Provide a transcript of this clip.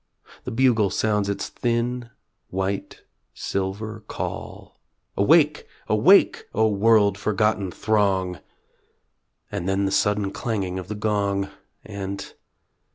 The bugle sounds its thin, white silver call, Awake! awake! O world forgotten throng! And then the sudden clanging of the gong, And